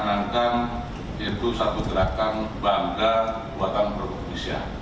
menyekanankan itu satu gerakan bangga buatan republik indonesia